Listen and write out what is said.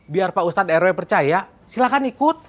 biar pak ustadz r o i percaya silahkan ikut